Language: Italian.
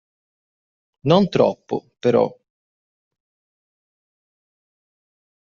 Non troppo, però.